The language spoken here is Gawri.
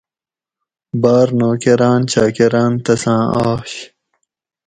باۤر نوکراۤن چاۤکران تساۤں آش